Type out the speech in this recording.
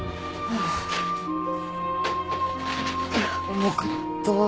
重かった。